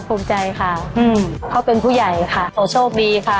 ภูมิใจค่ะอืมเขาเป็นผู้ใหญ่ค่ะขอโชคดีค่ะ